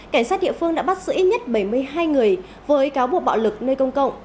cảnh sát địa phương đã bắt giữ ít nhất bảy mươi hai người với cáo buộc bạo lực nơi công cộng